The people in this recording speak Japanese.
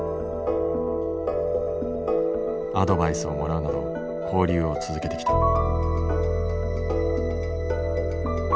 アドバイスをもらうなど交流を続けてきた。